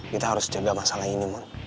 kita harus jaga masalah ini